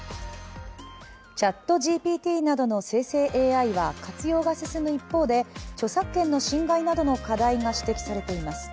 ＣｈａｔＧＰＴなどの生成ＡＩは活用が進む一方で、著作権の侵害などの課題が指摘されています。